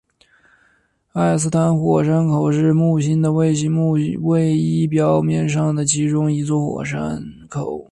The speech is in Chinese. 埃斯坦火山口是木星的卫星木卫一表面上的其中一座火山口。